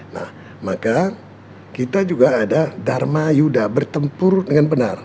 nah maka kita juga ada dharma yuda bertempur dengan benar